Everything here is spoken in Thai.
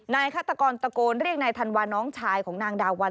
ฆาตกรตะโกนเรียกนายธันวาน้องชายของนางดาวัน